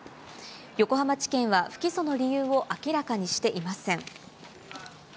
横浜地検は不起訴の理由を明らかにしていません。